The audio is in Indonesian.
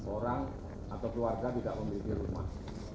orang atau keluarga tidak memiliki rumah